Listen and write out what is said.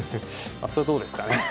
それはどうですかね。